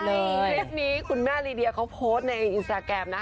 คลิปนี้คุณแม่ลีเดียเขาโพสต์ในอินสตาแกรมนะ